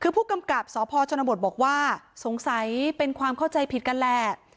คือผู้กำกับสพชนบทบอกว่าสงสัยเป็นความเข้าใจผิดกันแหละ